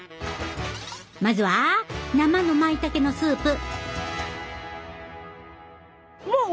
まずは生のまいたけのスープ。